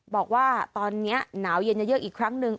บอกว่าตอนนี้หนาวเย็นจะเยอะอีกครั้งหนึ่ง